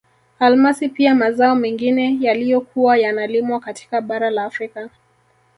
Almasi pia mazao mengine yaliyokuwa yanalimwa katika bara la Afrika